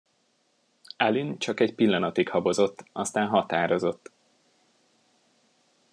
Aline csak egy pillanatig habozott, aztán határozott.